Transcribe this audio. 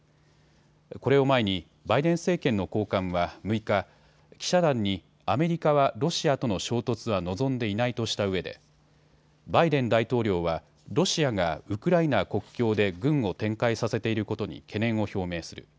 これを前にバイデン政権の高官は６日、記者団にアメリカはロシアとの衝突は望んでいないとしたうえでバイデン大統領はロシアがウクライナ国境で軍を展開させていることに懸念を表明する。